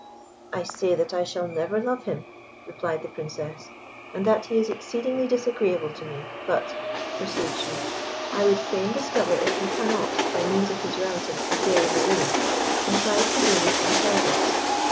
"I say that I shall never love him," replied the Princess, "and that he is exceedingly disagreeable to me; but," pursued she, "I would fain discover if he cannot, by means of his relative the Fairy Marine, contrive to do me some service."